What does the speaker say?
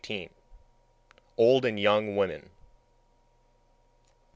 XVIII. OLD AND YOUNG WOMEN.